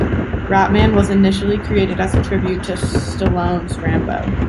Rat-man was initially created as a tribute to Stallone’s Rambo.